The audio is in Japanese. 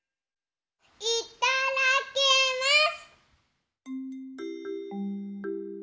いただきます！